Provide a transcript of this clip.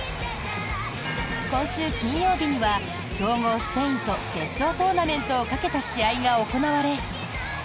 今週金曜日には強豪スペインと決勝トーナメントをかけた試合が行われ。